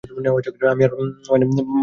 আমি আর মাইনাস মিলে চুরি করে ফেলব।